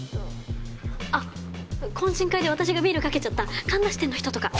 あっ懇親会で私がビールかけちゃった神田支店の人とか。